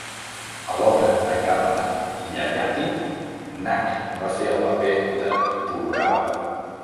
A l'obra de Karnad "Yayati", Nag va fer el paper de Pururava.